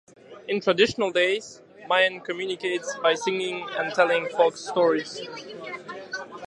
In traditional days, Mien communicate by singing and telling folk stories.